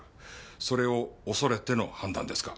それを恐れての判断ですか？